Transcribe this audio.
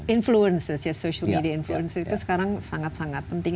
influences ya social media influencer itu sekarang sangat sangat penting